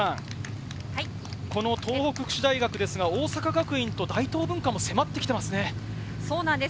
東北福祉大学は大阪学院と大東文化も迫ってきていますね。